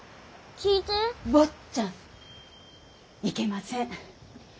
坊ちゃんいけません。